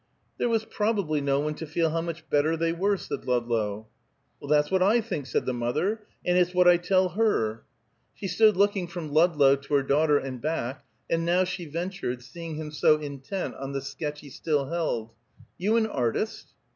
"There was probably no one to feel how much better they were," said Ludlow. "Well, that's what I think," said the mother, "and it's what I tell her." She stood looking from Ludlow to her daughter and back, and now she ventured, seeing him so intent on the sketch he still held, "You an artist?"